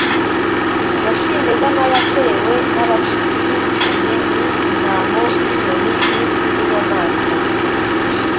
ya kimeza n'ayatewe n'abarutuye ni intaho y'inyoni nyinshi n'inyamaswa